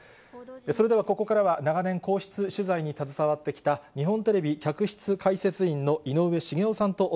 それではここからは長年、皇室取材に携わってきた日本テレビ客室解説員の井上茂男さんとお